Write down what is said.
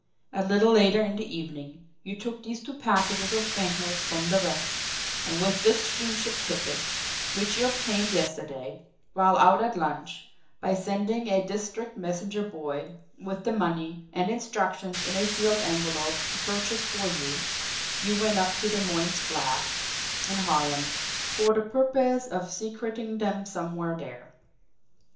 A little later in the evening, you took these two packages of banknotes from the rest, and with this steamship ticket which you obtained yesterday while out at lunch by sending a district messenger boy with the money and instructions in a sealed envelope to purchase for you you went up to the Moynes' flat in Harlem for the purpose of secreting them somewhere there.